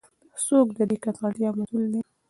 څوک د دې ککړتیا مسؤل دی؟